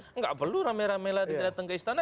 tidak perlu rame rame lagi datang ke istana